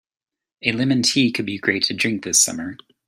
A lemon tea could be great to drink this summer.